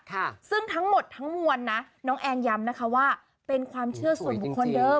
ค่ะซึ่งทั้งหมดทั้งมวลนะน้องแอนย้ำนะคะว่าเป็นความเชื่อส่วนบุคคลเดิม